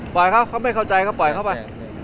เขาเขาไม่เข้าใจเขาปล่อยเขาไป